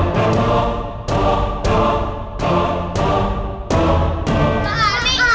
gombel kali mau diapain